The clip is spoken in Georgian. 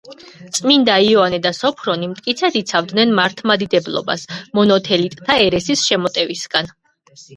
წმინდა იოანე და სოფრონი მტკიცედ იცავდნენ მართლმადიდებლობას მონოთელიტთა ერესის შემოტევისაგან.